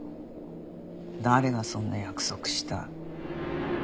誰がそんな約束した？